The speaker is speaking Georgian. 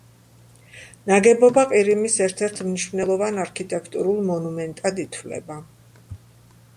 ნაგებობა ყირიმის ერთ-ერთ მნიშვნელოვან არქიტექტურულ მონუმენტად ითვლება.